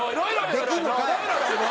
できんのかい！